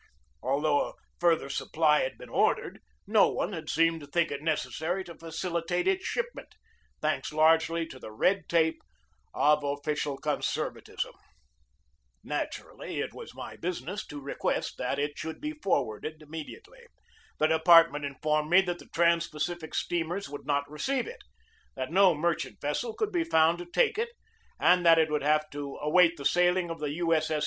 Although a further supply had been ordered, no one had seemed to think it necessary to facili tate its shipment, thanks largely to the red tape of official conservatism. Naturally it was my business to request that it should be forwarded immediately. The department informed me that the trans Pacific steamers would not receive it, that no merchant vessel could be found to take it, and that it would have to await the sailing of the U. S. S.